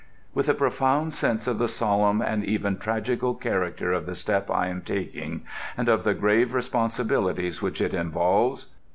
"With a profound sense of the solemn and even tragical character of the step I am taking and of the grave responsibilities which it involves....